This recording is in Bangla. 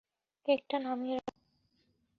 কেকটা নামিয়ে রাখ।